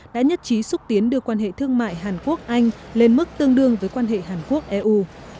đã nhất trí xúc tiến đưa quan hệ thương mại hàn quốc anh lên mức tương đương với quan hệ hàn quốc eu